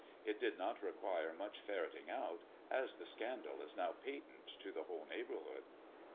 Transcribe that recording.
It did not require much ferreting out, as the scandal is now patent to the whole neighbourhood."